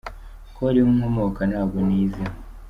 ko ariho nkomoka Ntabwo niyiziho.